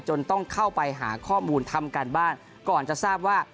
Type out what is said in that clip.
ต้องเข้าไปหาข้อมูลทำการบ้านก่อนจะทราบว่า